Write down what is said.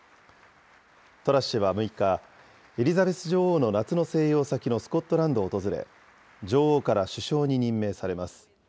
トラス氏は６日、エリザベス女王の夏の静養先のスコットランドを訪れ、女王から首相に任命されます。